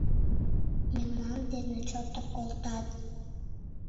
— Мемнан дене чотак колтат.